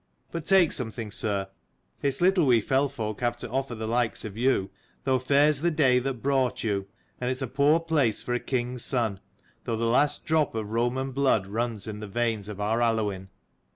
But take something, sir. It's little we fell folk have to offer the likes of you : though fair's the 130 day that brought you : and it's a poor place for a king's son, though the last drop of Roman blood juns in the veins of our Aluinn."